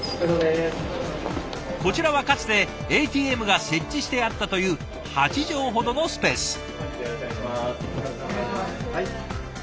こちらはかつてＡＴＭが設置してあったという８畳ほどのスペース。